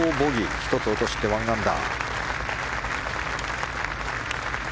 １つ落として、１アンダー。